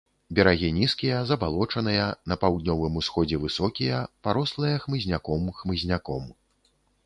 Берагі нізкія, забалочаныя, на паўднёвым-усходзе высокія, парослыя хмызняком хмызняком.